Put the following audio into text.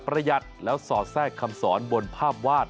ประหยัดแล้วสอดแทรกคำสอนบนภาพวาด